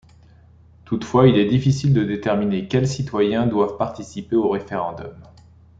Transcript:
Toutefois, il est difficile de déterminer quels citoyens doivent participer au référendum.